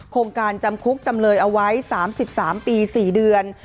โครงการจำคุกจำเลยเอาไว้๓๓ปี๔เดือน